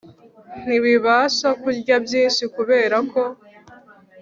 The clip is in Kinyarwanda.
ntibabasha kurya byinshi kubera ko